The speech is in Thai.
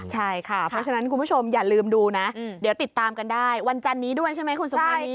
ใช่ค่ะเพราะฉะนั้นคุณผู้ชมอย่าลืมดูนะเดี๋ยวติดตามกันได้วันจันนี้ด้วยใช่ไหมคุณสุภานี